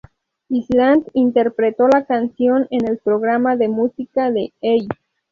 Island interpretó la canción en el programa de música de "Hey!